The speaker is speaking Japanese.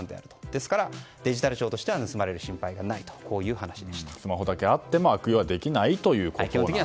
ですから、デジタル庁としては盗まれる心配がないとスマホだけあっても悪用できないと。